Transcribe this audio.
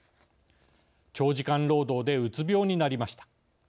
「長時間労働でうつ病になりました」。